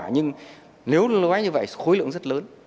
nhưng nếu nó như vậy khối lượng rất lớn